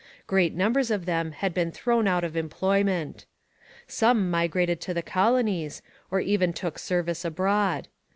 Great numbers of them had been thrown out of employment. Some migrated to the colonies or even took service abroad.